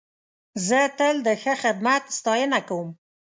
زه تل د ښه خدمت ستاینه کوم.